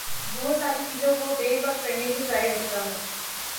بہت ساری چیزوں کو بیک وقت کرنے کی صلاحیت رکھتا ہوں